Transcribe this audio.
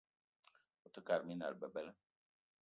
Ote kate minal bebela.